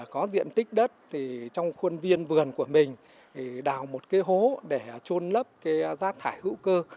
có diện tích đất thì trong khuôn viên vườn của mình thì đào một cái hố để trôn lấp rác thải hữu cơ